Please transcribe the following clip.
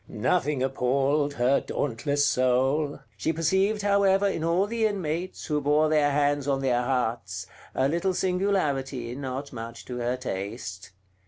Nothing appalled her dauntless soul; she perceived however in all the inmates, who bore their hands on their hearts, a little singularity, not much to her taste.